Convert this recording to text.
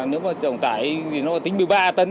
nếu mà trọng tải thì nó tính một mươi ba tấn